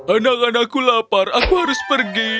anak anakku lapar aku harus pergi